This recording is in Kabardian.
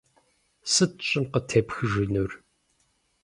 Сыт щӏым къытепхыжынур?